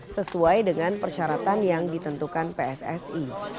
sesuai dengan persyaratan yang ditentukan pssi